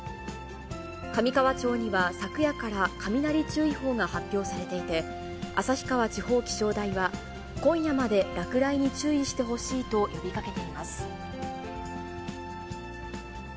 上川町には昨夜から雷注意報が発表されていて、旭川地方気象台は、今夜まで落雷に注意してほしいと呼びかけています。